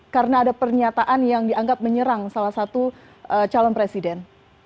karena ada pernyataan yang dianggap menyerang salah satu calon presiden